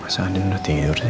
kenapa andin udah tidur sih